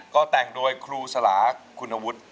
ก็แต่งโดยครูสลาคุณวุฒิ